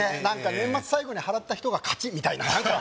何か年末最後に払った人が勝ちみたいなあ